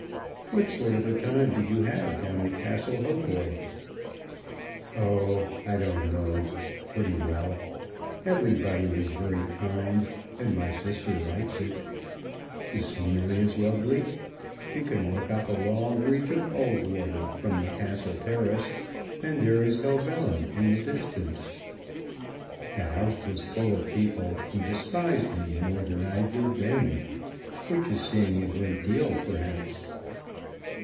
What sort of a time did you have down at Castle Hautboy?" "Oh, I don't know, pretty well. Everybody was very kind, and my sister likes it. The scenery is lovely. You can look up a long reach of Ulleswater from the Castle terrace, and there is Helvellyn in the distance. The house was full of people, who despised me more than I did them." "Which is saying a great deal, perhaps."